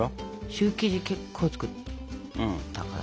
シュー生地結構作ったから。